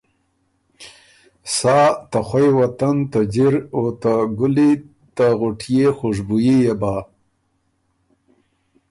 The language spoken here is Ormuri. سا ته خوئ وطن ته جِر او ته ګلی ته غُټئے خوشبُويي يې بۀ۔